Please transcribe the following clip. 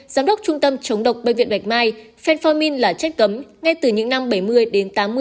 giám đốc trung tâm chống độc bệnh viện bạch mai là chất cấm ngay từ những năm bảy mươi đến tám mươi